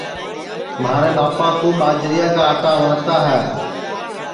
مھارے ٻاپا کُوٻاجریا کا آٹا وٹؔتا ہے